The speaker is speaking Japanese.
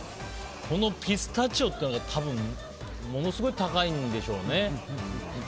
このピスタチオっていうのが多分ものすごい高いんでしょうね。